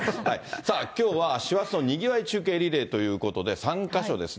さあ、きょうは師走の賑わい中継リレーということで、３か所ですね。